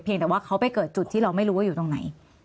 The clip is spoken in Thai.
แต่ว่าเขาไปเกิดจุดที่เราไม่รู้ว่าอยู่ตรงไหน